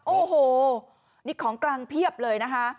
โอ้โหนี่ของกลางเพียบเลยนะคะ